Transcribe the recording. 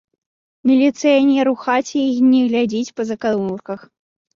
Міліцыянер у хаце й не глядзіць па заканурках.